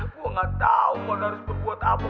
gua gak tau lo harus berbuat apa